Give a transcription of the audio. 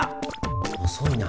遅いな。